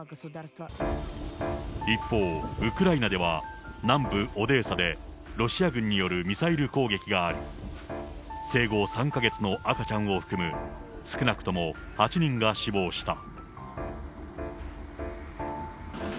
一方、ウクライナでは南部オデーサで、ロシア軍によるミサイル攻撃があり、生後３か月の赤ちゃんを含む、少なくとも８人が死亡した。